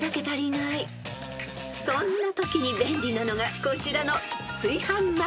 ［そんなときに便利なのがこちらの］